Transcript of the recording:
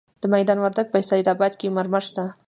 د میدان وردګو په سید اباد کې مرمر شته.